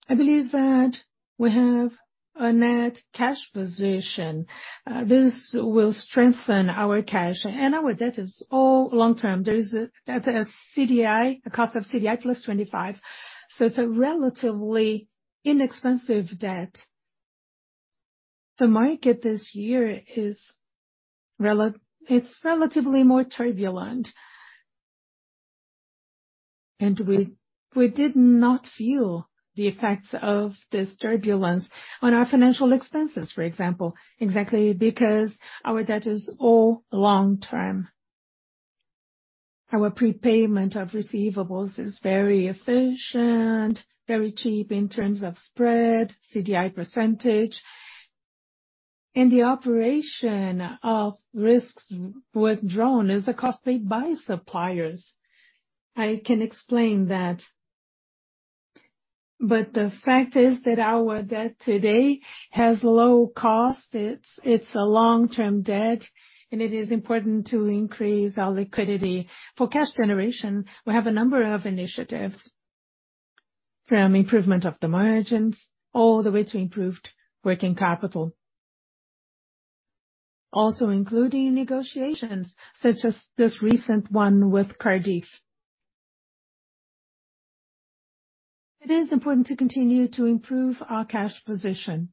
I believe that we have a net cash position. This will strengthen our cash. Our debt is all long-term. At a CDI, a cost of CDI plus 25. It's a relatively inexpensive debt. The market this year is relatively more turbulent. We did not feel the effects of this turbulence on our financial expenses, for example, exactly because our debt is all long-term. Our prepayment of receivables is very efficient, very cheap in terms of spread, CDI percentage. The operation of risks withdrawn is a cost paid by suppliers. I can explain that. The fact is that our debt today has low cost. It's a long-term debt, and it is important to increase our liquidity. For cash generation, we have a number of initiatives, from improvement of the margins all the way to improved working capital. Also including negotiations, such as this recent one with Cardif. It is important to continue to improve our cash position.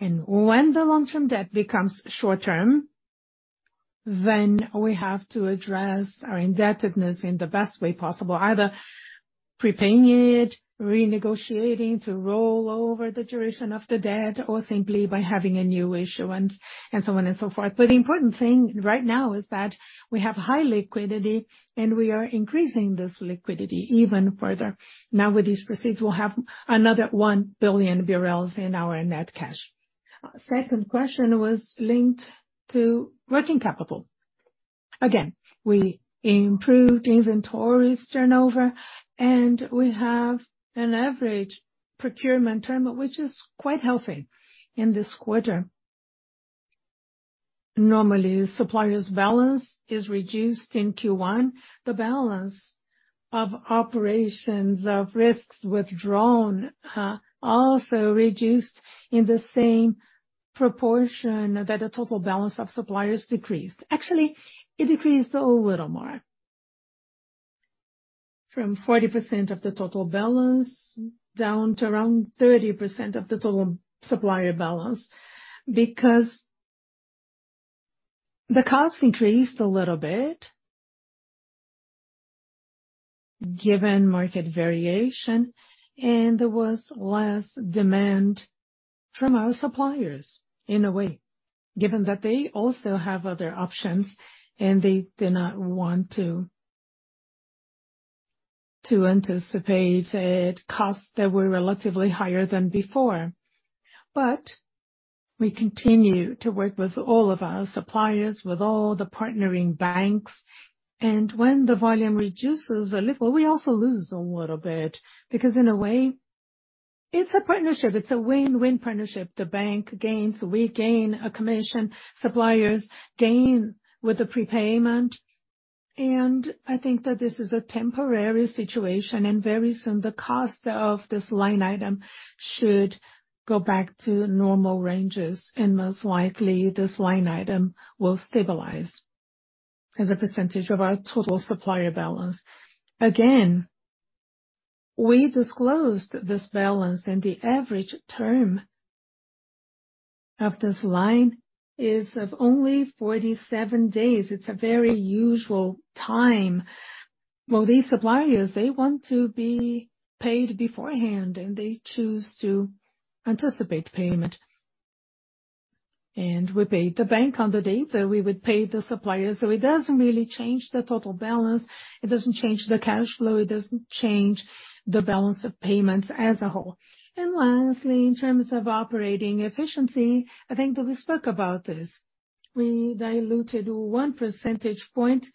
When the long-term debt becomes short-term, we have to address our indebtedness in the best way possible, either prepaying it, renegotiating to roll over the duration of the debt, or simply by having a new issuance, and so on and so forth. The important thing right now is that we have high liquidity, and we are increasing this liquidity even further. With these proceeds, we'll have another 1 billion BRL in our net cash. Second question was linked to working capital. We improved inventories turnover, and we have an average procurement term, which is quite healthy in this quarter. Normally, suppliers balance is reduced in Q1. The balance of operations of Risco Sacado also reduced in the same proportion that the total balance of suppliers decreased. Actually, it decreased a little more from 40% of the total balance down to around 30% of the total supplier balance. Because the cost increased a little bit given market variation, and there was less demand from our suppliers in a way, given that they also have other options, and they did not want to anticipate it costs that were relatively higher than before. We continue to work with all of our suppliers, with all the partnering banks. When the volume reduces a little, we also lose a little bit because in a way, it's a partnership. It's a win-win partnership. The bank gains, we gain a commission, suppliers gain with the prepayment. I think that this is a temporary situation, and very soon the cost of this line item should go back to normal ranges. Most likely, this line item will stabilize as a percentage of our total supplier balance. Again, we disclosed this balance, the average term of this line is of only 47 days. It's a very usual time. Well, these suppliers, they want to be paid beforehand, they choose to anticipate payment. We paid the bank on the date that we would pay the supplier. It doesn't really change the total balance, it doesn't change the cash flow, it doesn't change the balance of payments as a whole. Lastly, in terms of operating efficiency, I think that we spoke about this. We diluted 1 percentage point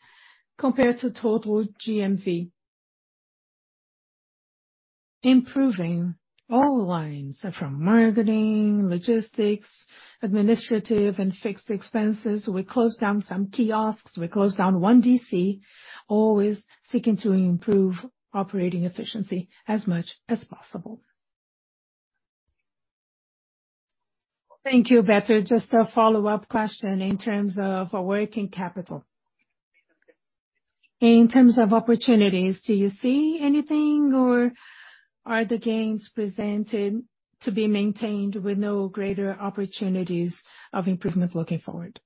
compared to total GMV. Improving all lines from marketing, logistics, administrative, and fixed expenses. We closed down some kiosks. We closed down 1 DC, always seeking to improve operating efficiency as much as possible. Thank you, Beto. Just a follow-up question in terms of working capital. In terms of opportunities, do you see anything, or are the gains presented to be maintained with no greater opportunities of improvement looking forward?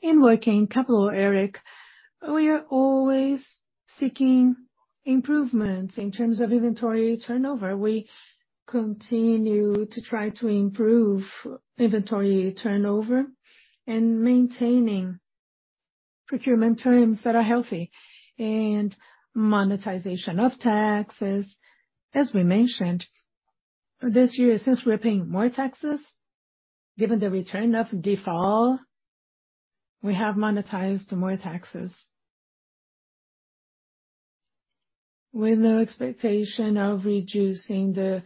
In working capital, Eric, we are always seeking improvements in terms of inventory turnover. We continue to try to improve inventory turnover and maintaining procurement terms that are healthy and monetization of taxes. As we mentioned, this year, since we're paying more taxes, given the return of default, we have monetized more taxes. With an expectation of reducing the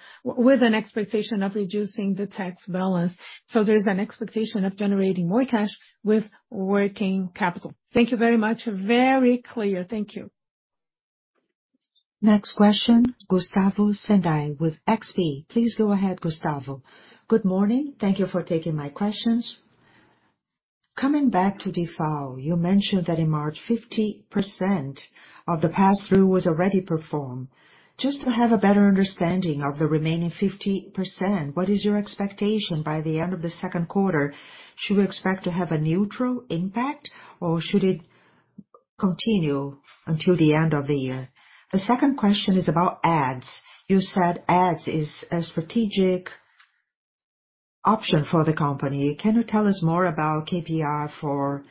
tax balance. There's an expectation of generating more cash with working capital. Thank you very much. Very clear. Thank you. Next question, Gustavo Senday with XP. Please go ahead, Gustavo. Good morning. Thank you for taking my questions. Coming back to default, you mentioned that in March, 50% of the pass-through was already performed. Just to have a better understanding of the remaining 50%, what is your expectation by the end of the second quarter? Should we expect to have a neutral impact or should it continue until the end of the year? The second question is about ads. You said ads is a strategic option for the company. Can you tell us more about KPI for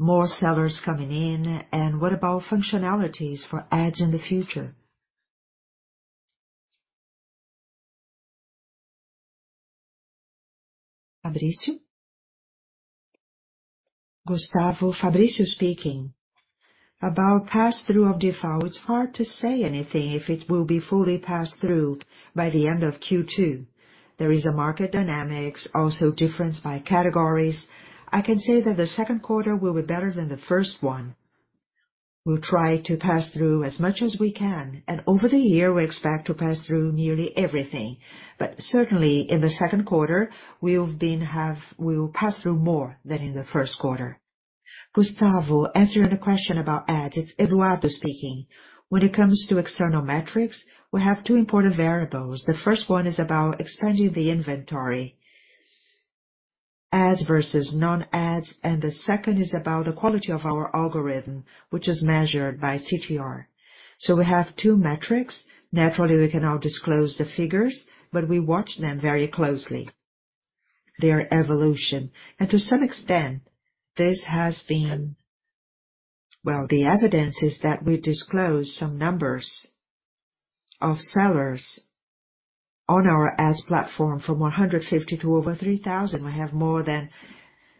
more sellers coming in? What about functionalities for ads in the future? Fabrício. Gustavo, Fabrício speaking. About pass-through of default, it's hard to say anything if it will be fully passed through by the end of Q2. There is a market dynamics, also difference by categories. I can say that the second quarter will be better than the first one. We'll try to pass through as much as we can. Over the year, we expect to pass through nearly everything. Certainly, in the second quarter, we'll pass through more than in the first quarter. Gustavo, answering the question about ads, it's Eduardo speaking. When it comes to external metrics, we have two important variables. The first one is about expanding the inventory, ads versus non-ads, and the second is about the quality of our algorithm, which is measured by CTR. We have two metrics. Naturally, we cannot disclose the figures, but we watch them very closely, their evolution. To some extent, this has been the evidence is that we disclose some numbers of sellers on our ads platform from 150 to over 3,000. We have more than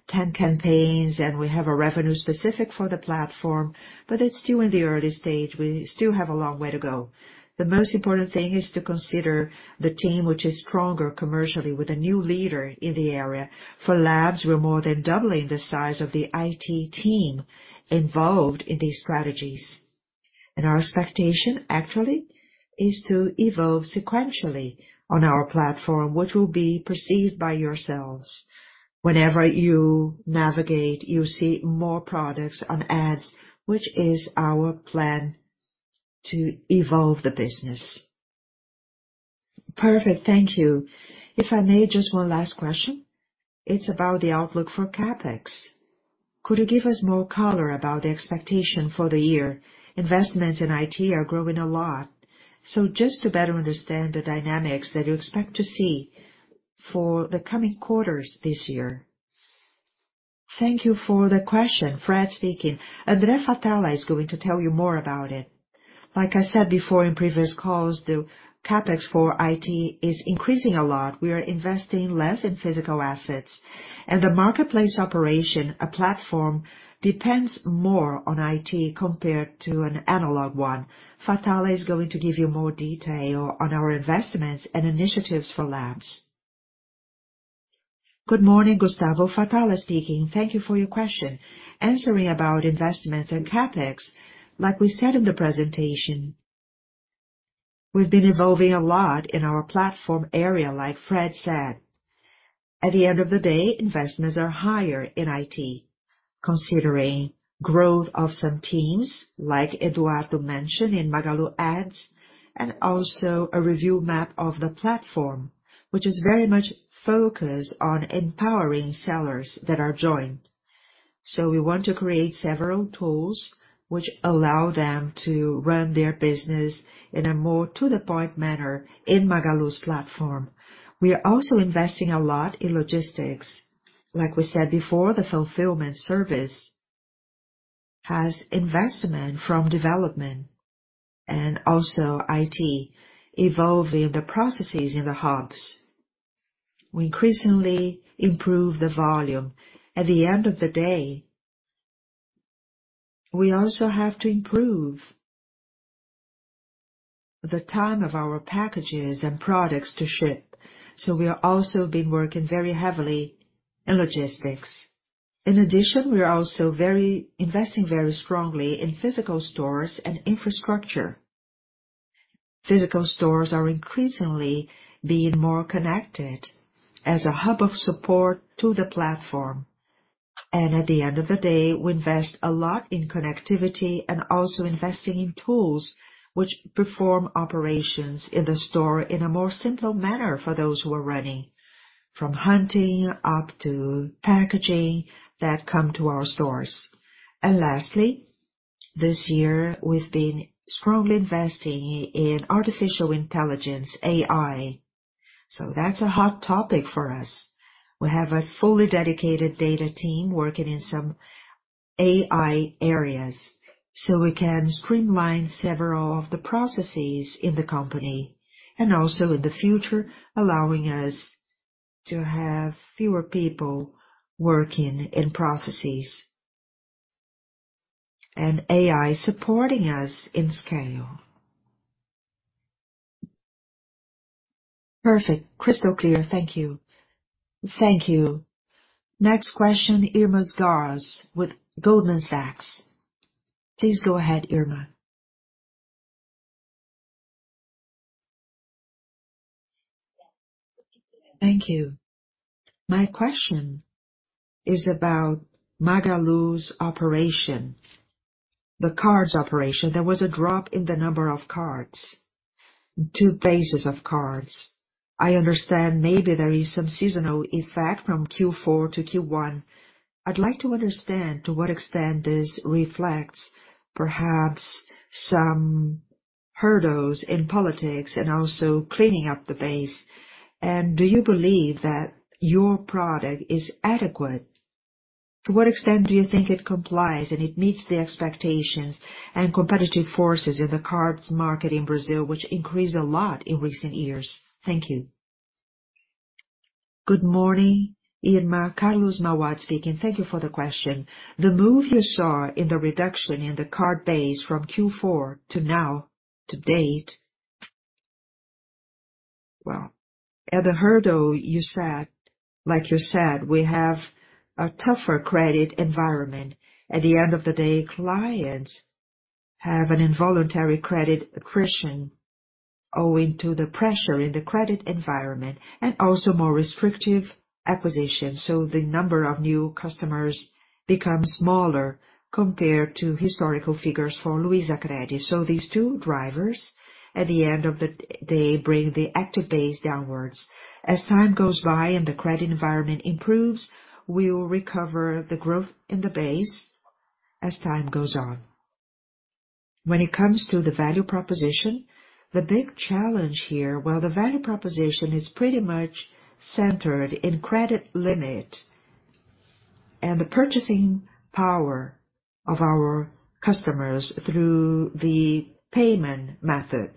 10 campaigns, and we have a revenue specific for the platform, but it's still in the early stage. We still have a long way to go. The most important thing is to consider the team which is stronger commercially with a new leader in the area. For labs, we're more than doubling the size of the IT team involved in these strategies. Our expectation, actually, is to evolve sequentially on our platform, which will be perceived by yourselves. Whenever you navigate, you see more products on ads, which is our plan to evolve the business. Perfect. Thank you. If I may, just one last question. It's about the outlook for CapEx. Could you give us more color about the expectation for the year? Investments in IT are growing a lot. Just to better understand the dynamics that you expect to see for the coming quarters this year. Thank you for the question. Fred speaking. André Fatala is going to tell you more about it. Like I said before in previous calls, the CapEx for IT is increasing a lot. We are investing less in physical assets. The marketplace operation, a platform, depends more on IT compared to an analog one. Fatala is going to give you more detail on our investments and initiatives for labs. Good morning, Gustavo. Fatala speaking. Thank you for your question. Answering about investments and CapEx, like we said in the presentation, we've been evolving a lot in our platform area, like Fred said. At the end of the day, investments are higher in IT, considering growth of some teams, like Eduardo mentioned in Magalu Ads, and also a review map of the platform, which is very much focused on empowering sellers that are joined. We want to create several tools which allow them to run their business in a more to-the-point manner in Magalu's platform. We are also investing a lot in logistics. Like we said before, the fulfillment service has investment from development and also IT evolving the processes in the hubs. We increasingly improve the volume. At the end of the day, we also have to improve the time of our packages and products to ship. We have also been working very heavily in logistics. In addition, we are also investing very strongly in physical stores and infrastructure. Physical stores are increasingly being more connected as a hub of support to the platform. At the end of the day, we invest a lot in connectivity and also investing in tools which perform operations in the store in a more simple manner for those who are running, from hunting up to packaging that come to our stores. Lastly, this year, we've been strongly investing in artificial intelligence, AI. That's a hot topic for us. We have a fully dedicated data team working in some AI areas, we can streamline several of the processes in the company and also in the future, allowing us to have fewer people working in processes and AI supporting us in scale. Perfect. Crystal clear. Thank you. Next question, Irma Sgarz with Goldman Sachs. Please go ahead, Irma. Thank you. My question is about Magalu's operation, the cards operation. There was a drop in the number of cards to bases of cards. I understand maybe there is some seasonal effect from Q4-Q1. I'd like to understand to what extent this reflects perhaps some hurdles in politics and also cleaning up the base. Do you believe that your product is adequate? To what extent do you think it complies and it meets the expectations and competitive forces in the cards market in Brazil, which increased a lot in recent years? Thank you. Good morning, Irma. Carlos Mauad speaking. Thank you for the question. The move you saw in the reduction in the card base from Q4 to now to date. Well, at the hurdle, like you said, we have a tougher credit environment. At the end of the day, clients have an involuntary credit accretion owing to the pressure in the credit environment and also more restrictive acquisitions. The number of new customers becomes smaller compared to historical figures for Luizacred. These two drivers, at the end of the day, bring the active base downwards. As time goes by and the credit environment improves, we will recover the growth in the base as time goes on. When it comes to the value proposition. Well, the value proposition is pretty much centered in credit limit and the purchasing power of our customers through the payment method.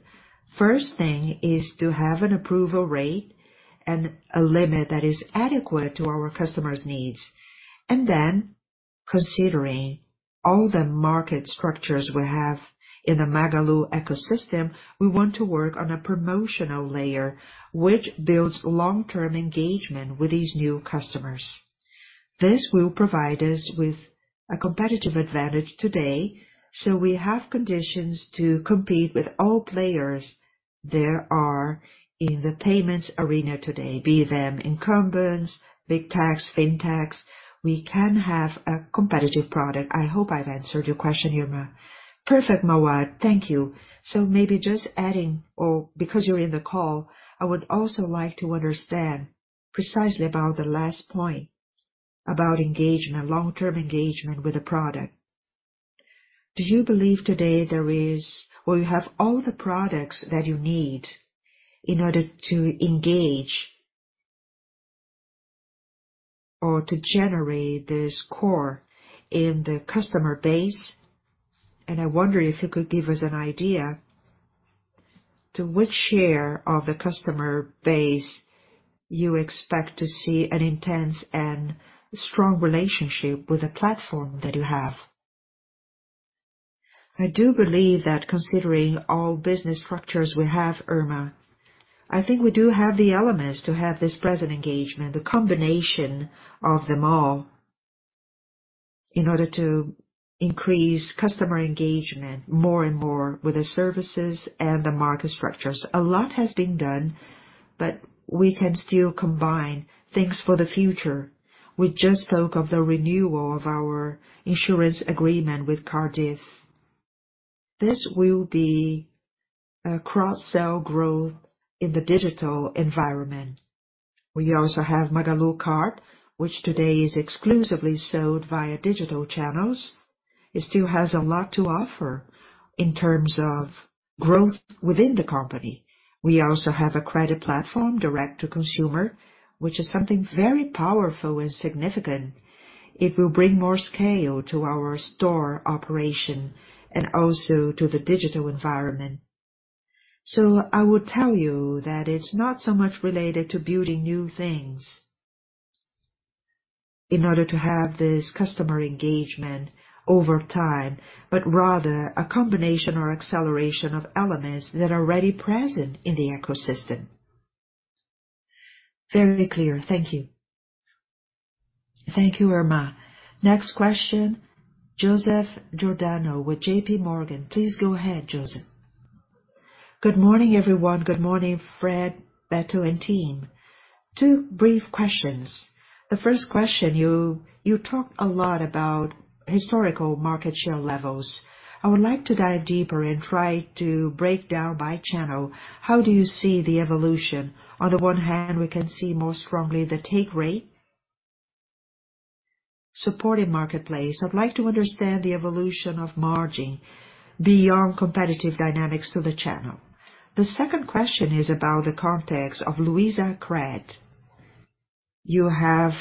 First thing is to have an approval rate and a limit that is adequate to our customer's needs. Considering all the market structures we have in the Magalu ecosystem, we want to work on a promotional layer which builds long-term engagement with these new customers. This will provide us with a competitive advantage today, so we have conditions to compete with all players there are in the payments arena today, be them incumbents, Big Techs, Fintechs, we can have a competitive product. I hope I've answered your question, Irma. Perfect, Mauad. Thank you. Maybe just adding or because you're in the call, I would also like to understand precisely about the last point about engagement, long-term engagement with the product. Do you believe today there is or you have all the products that you need in order to engage or to generate this core in the customer base? and I wonder if you could give us an idea to which share of the customer base you expect to see an intense and strong relationship with the platform that you have. I do believe that considering all business structures we have, Irma, I think we do have the elements to have this present engagement, the combination of them all in order to increase customer engagement more and more with the services and the market structures. A lot has been done, but we can still combine things for the future. We just spoke of the renewal of our insurance agreement with Cardiff. This will be a cross-sell growth in the digital environment. We also have Magalu Card, which today is exclusively sold via digital channels. It still has a lot to offer in terms of growth within the company. We also have a credit platform direct to consumer, which is something very powerful and significant. It will bring more scale to our store operation and also to the digital environment. I would tell you that it's not so much related to building new things in order to have this customer engagement over time, but rather a combination or acceleration of elements that are already present in the ecosystem. Very clear. Thank you. Thank you, Irma. Next question, Joseph Giordano with JPMorgan. Please go ahead, Joseph. Good morning, everyone. Good morning, Fred, Beto and team. Two brief questions. The first question, you talked a lot about historical market share levels. I would like to dive deeper and try to break down by channel. How do you see the evolution? On the one hand, we can see more strongly the take rate supported marketplace. I'd like to understand the evolution of margin beyond competitive dynamics to the channel. The second question is about the context of Luizacred. You have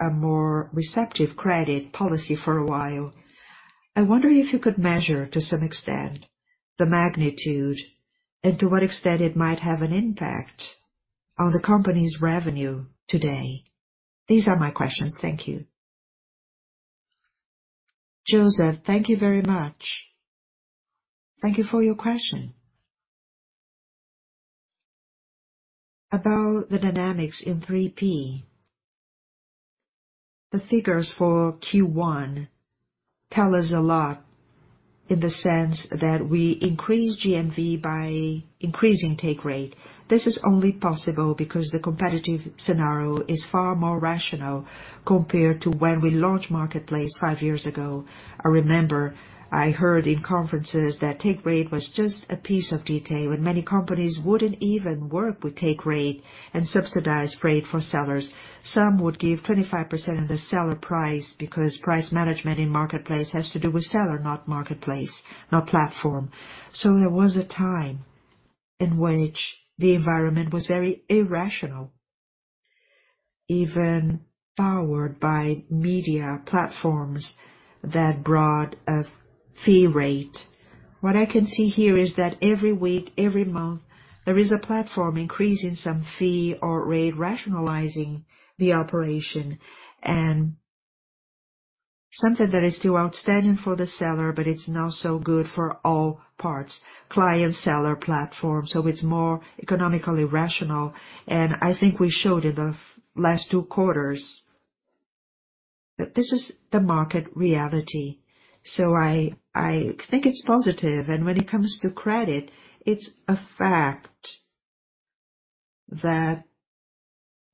a more receptive credit policy for a while. I wonder if you could measure, to some extent, the magnitude and to what extent it might have an impact on the company's revenue today. These are my questions. Thank you. Joseph, thank you very much. Thank you for your question. About the dynamics in 3P, the figures for Q1 tell us a lot in the sense that we increase GMV by increasing take rate. This is only possible because the competitive scenario is far more rational compared to when we launched Marketplace five years ago. I remember I heard in conferences that take rate was just a piece of detail, and many companies wouldn't even work with take rate and subsidized rate for sellers. Some would give 25% of the seller price because price management in marketplace has to do with seller, not marketplace, not platform. There was a time in which the environment was very irrational, even powered by media platforms that brought a fee rate. What I can see here is that every week, every month, there is a platform increasing some fee or rate, rationalizing the operation and something that is still outstanding for the seller, but it's not so good for all parts, client, seller, platform. It's more economically rational. I think we showed in the last 2 quarters that this is the market reality. I think it's positive. When it comes to credit, it's a fact that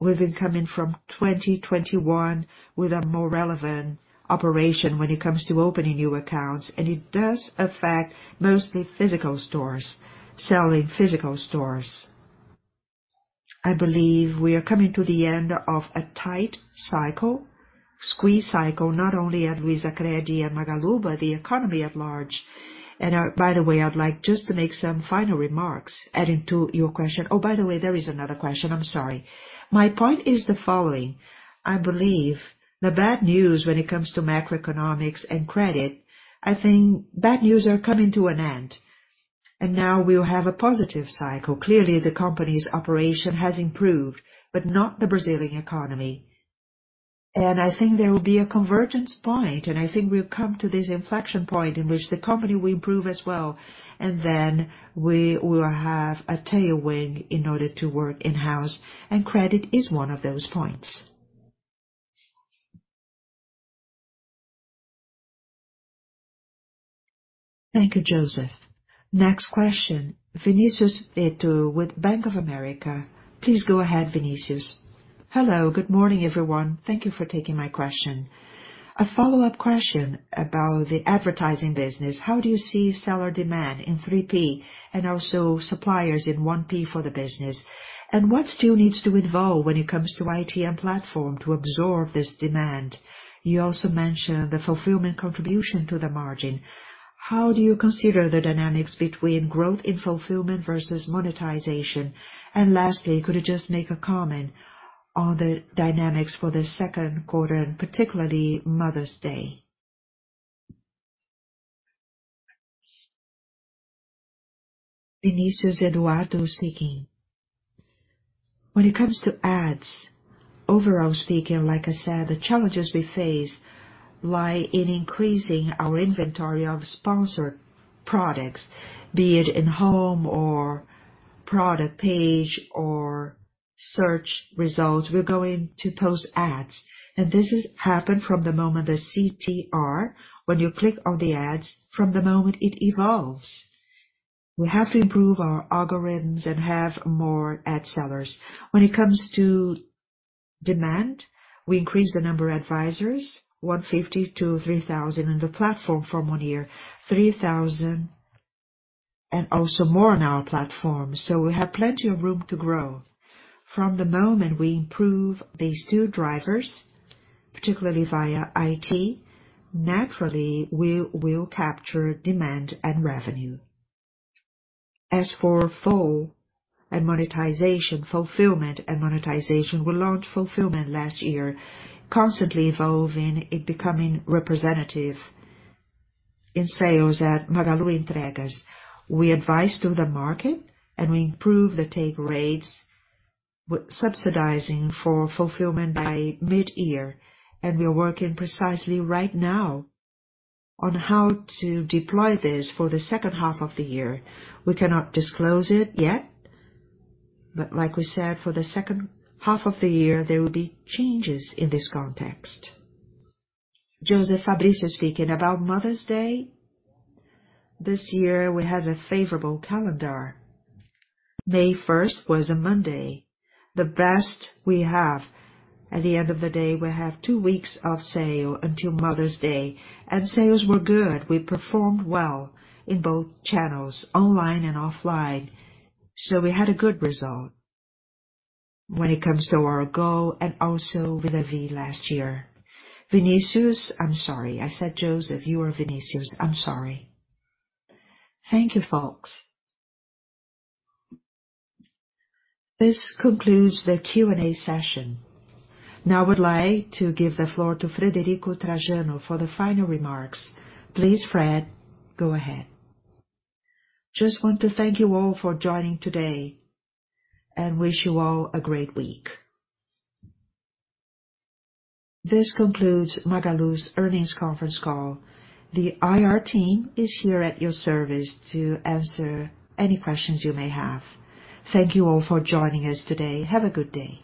we've been coming from 2021 with a more relevant operation when it comes to opening new accounts, and it does affect mostly physical stores, selling physical stores. I believe we are coming to the end of a tight cycle, squeeze cycle, not only at Luizacred and Magalu, but the economy at large. By the way, I'd like just to make some final remarks, adding to your question. By the way, there is another question. I'm sorry. My point is the following:, I believe the bad news when it comes to macroeconomics and credit, I think bad news are coming to an end. Now we'll have a positive cycle. Clearly, the company's operation has improved, but not the Brazilian economy. I think there will be a convergence point, I think we'll come to this inflection point in which the company will improve as well. Then we will have a tailwind in order to work in-house, and credit is one of those points. Thank you, Joseph. Next question, Vinicius Ito with Bank of America. Please go ahead, Vinicius. Hello, good morning, everyone. Thank you for taking my question. A follow-up question about the advertising business. How do you see seller demand in 3P and also suppliers in 1P for the business? What still needs to evolve when it comes to ITM platform to absorb this demand? You also mentioned the fulfillment contribution to the margin. How do you consider the dynamics between growth in fulfillment versus monetization? Lastly, could you just make a comment on the dynamics for the second quarter, and particularly Mother's Day? Vinicius, Eduardo speaking. When it comes to ads, overall speaking, like I said, the challenges we face lie in increasing our inventory of sponsored products, be it in home or product page or search results. We're going to post ads, and this has happened from the moment the CTR, when you click on the ads, from the moment it evolves. We have to improve our algorithms and have more ad sellers. When it comes to demand, we increase the number of advisors, 150 to 3,000 on the platform from one year. 3,000 and also more on our platform. We have plenty of room to grow. From the moment we improve these two drivers, particularly via IT, naturally, we will capture demand and revenue. As for fulfillment and monetization, we launched fulfillment last year, constantly evolving it becoming representative in sales at Magalu Entregas. We advise to the market and we improve the take rates with subsidizing for fulfillment by mid-year. We are working precisely right now on how to deploy this for the H2 of the year. We cannot disclose it yet, but like we said, for the H2 of the year, there will be changes in this context. Joseph, Fabrício speaking. About Mother's Day, this year we had a favorable calendar. May first was a Monday, the best we have. At the end of the day, we have two weeks of sale until Mother's Day, and sales were good. We performed well in both channels, online and offline. We had a good result when it comes to our goal and also vis-a-vis last year. Vinicius, I'm sorry. I said Joseph. You are Vinicius. I'm sorry. Thank you, folks. This concludes the Q&A session. Now I would like to give the floor to Frederico Trajano for the final remarks. Please, Fred, go ahead. Just want to thank you all for joining today and wish you all a great week. This concludes Magalu's earnings conference call. The IR team is here at your service to answer any questions you may have. Thank you all for joining us today. Have a good day.